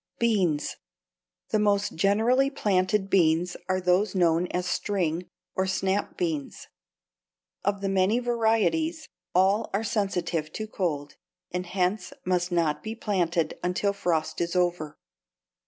=Beans.= The most generally planted beans are those known as string, or snap, beans. Of the many varieties, all are sensitive to cold and hence must not be planted until frost is over.